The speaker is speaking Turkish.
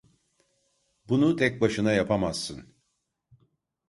Bunu tek başına yapamazsın.